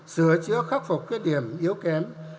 sửa chữa khắc phục khuyết điểm yếu kém